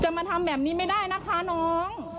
มาทำแบบนี้ไม่ได้นะคะน้อง